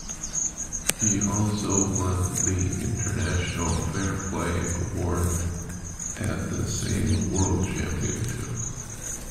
He also won the International Fair Play award at the same world championships.